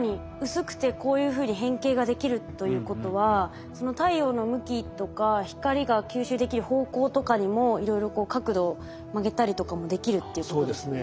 薄くてこういうふうに変形ができるということはその太陽の向きとか光が吸収できる方向とかにもいろいろ角度曲げたりとかもできるっていうことですね。